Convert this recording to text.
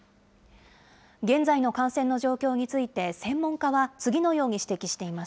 現在の感染の状況について、専門家は次のように指摘していま